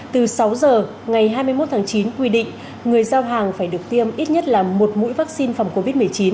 từ sáu giờ ngày hai mươi một tháng chín quy định người giao hàng phải được tiêm ít nhất là một mũi vaccine phòng covid một mươi chín